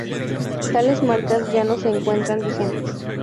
Tales marcas ya no se encuentran vigentes.